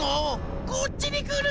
こっちにくる！